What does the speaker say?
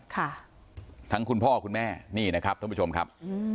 ค่ะทั้งคุณพ่อคุณแม่นี่นะครับท่านผู้ชมครับอืม